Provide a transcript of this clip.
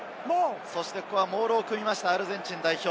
モールを組みました、アルゼンチン代表。